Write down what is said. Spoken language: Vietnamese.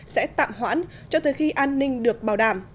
sẽ tạm hoãn cho tới khi an ninh được bảo đảm